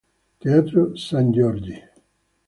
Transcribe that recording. Teatro Sangiorgi.